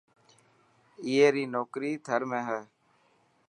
اي ري نوڪري ٿر ۾ هي.